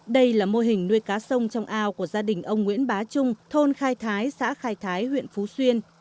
đây là mô hình nuôi cá sông trong ao của gia đình ông nguyễn bá trung thôn khai thái xã khai thái huyện phú xuyên